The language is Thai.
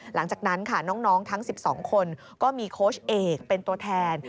หลังจากนั้นค่ะน้องทั้ง๑๒คนก็มีโค้ชเอกเป็นตัวแทน